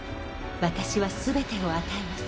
私は全てを与えます。